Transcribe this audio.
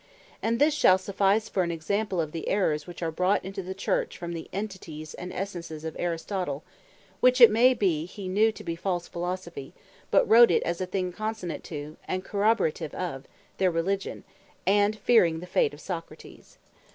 And this shall suffice for an example of the Errors, which are brought into the Church, from the Entities, and Essences of Aristotle: which it may be he knew to be false Philosophy; but writ it as a thing consonant to, and corroborative of their Religion; and fearing the fate of Socrates.